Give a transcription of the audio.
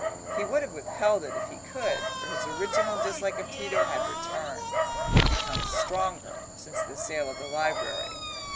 He would have withheld it if he could; for his original dislike of Tito had returned, and become stronger, since the sale of the library.